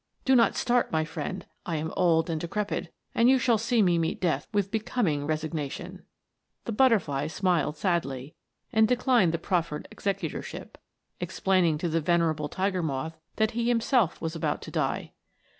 Do not start, my friend, I am old and decrepit, and you shall see me meet death with becoming resigna tion." The butterfly smiled sadly, and declined the 142 METAMORPHOSES. proffered executorsMp, explaining to the venerable tiger moth that he himself was about to die.